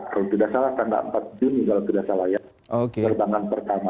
kalau tidak salah tanggal empat juni kalau tidak salah ya terbangan pertama